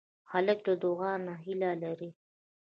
هلک له دعا نه هیله لري.